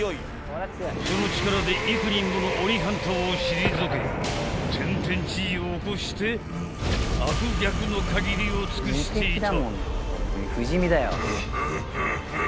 ［その力で幾人もの鬼ハンターを退け天変地異を起こして悪逆のかぎりを尽くしていた］